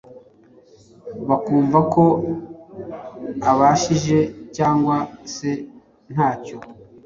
bakumva ko abashije cyangwa se ntacyo